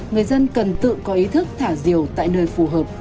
người dân cần tự có ý thức thả diều tại nơi phù hợp